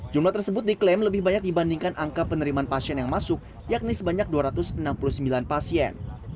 jumlah tersebut diklaim lebih banyak dibandingkan angka penerimaan pasien yang masuk yakni sebanyak dua ratus enam puluh sembilan pasien